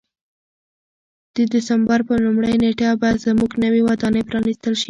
د دسمبر په لومړۍ نېټه به زموږ نوې ودانۍ پرانیستل شي.